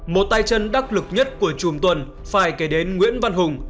một tay chân đắc lực nhất của chùm tuần phải kể đến nguyễn văn hùng